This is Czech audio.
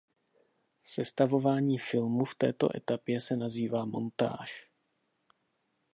Sestavování filmu v této etapě se nazývá montáž.